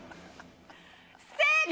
正解！